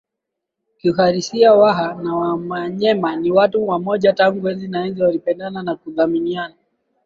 Kiuhalisia waha na wamanyema ni Watu wamoja tangu enzi na enzi walipendana na kuthaminiana